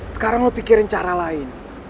sekarang lo pikirin cara lain